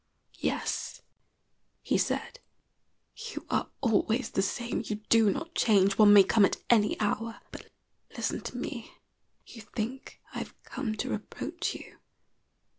"Yes," he said, "you are always the same. You do not change. One may come at any hour. But listen to me. You think I have come to reproach you.